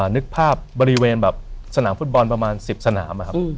นึกภาพบริเวณแบบสนามฟุตบอลประมาณ๑๐สนามอะครับ